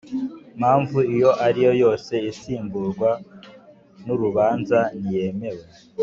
mpamvu iyo ariyo yose isimburwa n urubanza ntiyemewe